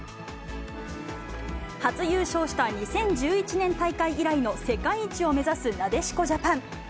初優勝した２０１１年大会以来の世界一を目指すなでしこジャパン。